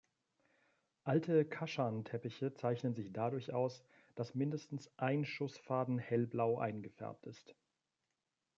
Alte Kaschan-Teppiche zeichnen sich dadurch aus, dass mindestens ein Schussfaden hellblau eingefärbt ist.